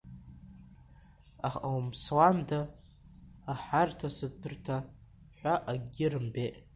Аха умԥсуанда, аҳарҭасырҭа ҳәа акгьы рымбеит.